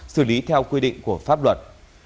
xử lý theo quy định của pháp luật